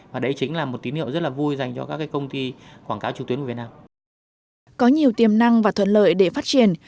và đấy chính là một tín hiệu rất là vui dành cho các công ty quảng cáo trực tuyến của việt nam